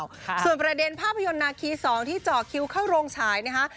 ส่วนประเด็นภาพยนตร์นาคี๒ที่จอคิวเข้าโรงฉายนะครับ